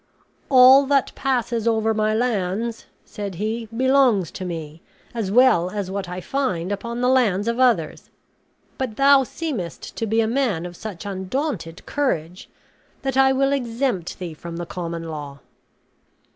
"All that passes over my lands," said he, "belongs to me, as well as what I find upon the lands of others; but thou seemest to be a man of such undaunted courage that I will exempt thee from the common law."